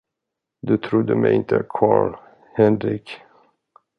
Du trodde mig inte, Karl Henrik.